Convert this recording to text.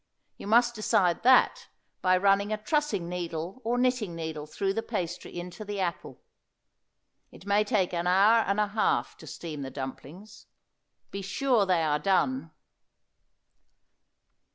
You must decide that by running a trussing needle or knitting needle through the pastry into the apple. It may take an hour and a half to steam the dumplings; be sure they are done.